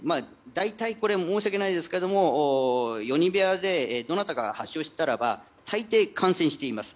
大体これは申し訳ないですけども４人部屋でどなたかが発症していたら大抵感染しています。